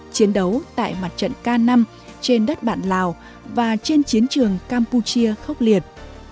chiến đấu tại mặt trận k năm trên đất bạn lào và trên chiến trường campuchia khốc liệt